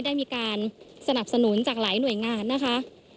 ได้มีการสนับสนุนจากหลายหน่วยงานนะคะ